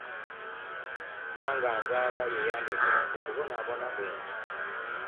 Mange anzaala ye yandetera okubonabona bwenti.